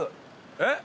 えっ？